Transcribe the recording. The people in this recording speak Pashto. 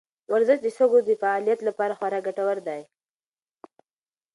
ورزش د سږو د فعالیت لپاره خورا ګټور دی.